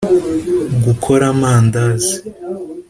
gukora amandazi